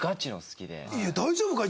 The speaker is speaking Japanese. いや大丈夫かい？